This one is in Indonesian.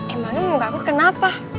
emangnya muka aku kenapa